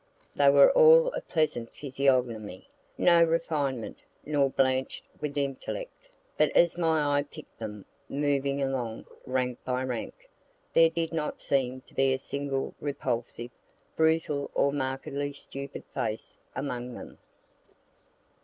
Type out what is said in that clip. They were all of pleasant physiognomy; no refinement, nor blanch'd with intellect, but as my eye pick'd them, moving along, rank by rank, there did not seem to be a single repulsive, brutal or markedly stupid face among them.